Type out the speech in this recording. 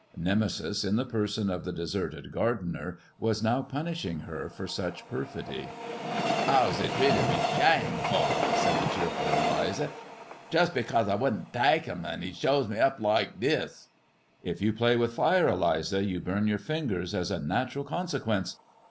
Nemesis in the person of the deserted gardener was now punishing her for such perfidy. 320 THE RAINBOW CAMELLIA " 'Ow 'e's treated me shaimful," said the tearful Eliza ;" jest 'cause I wouldn't taike 'im 'e shows me up loike this." " K you play with fire, Eliza, you burn your fingers as a natural consequence.